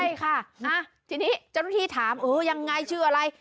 ใช่ค่ะทีนี้เจ้าหน้าที่ถามเออยังไงชื่ออะไร